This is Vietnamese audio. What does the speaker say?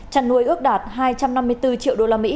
chăn nuôi ước đạt hai trăm năm mươi bốn triệu usd